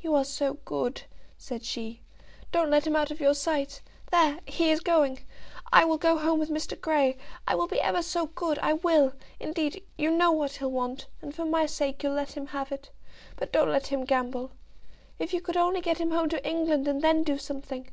"You are so good," said she. "Don't let him out of your sight. There; he is going. I will go home with Mr. Grey. I will be ever so good; I will, indeed. You know what he'll want, and for my sake you'll let him have it. But don't let him gamble. If you could only get him home to England, and then do something.